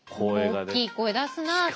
大きい声出すなあすぐ。